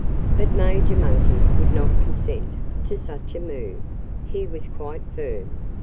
But Major Monkey would not consent to such a move. He was quite firm.